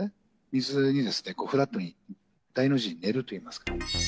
水の上にフラットに大の字に寝るといいますか。